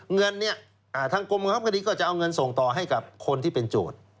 เงินเนี่ยทางกรมบังคับคดีก็จะเอาเงินส่งต่อให้กับคนที่เป็นโจทย์